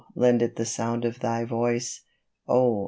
lend it the sound of thy voice, Oh